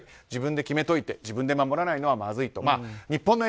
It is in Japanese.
自分で決めておいて自分で守らないのはまずいと思う。